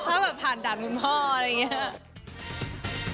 ถ้าแบบผ่านด่านคุณพ่ออะไรอย่างนี้